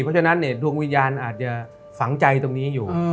เพราะฉะนั้นรวมวิทยาลอาจจะฟังใจตรงนี้อยู่